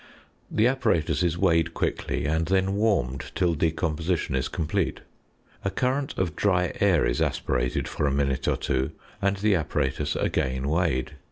The apparatus is weighed quickly, and then warmed till decomposition is complete. A current of dry air is aspirated for a minute or two; and the apparatus again weighed.